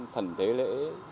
thần thế lễ